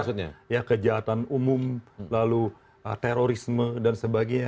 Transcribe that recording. sekarang meningkat kejahatan umum lalu terorisme dan sebagainya